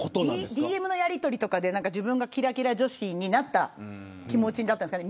ＤＭのやりとりとかして自分がきらきら女子になった気持ちになったんですかね。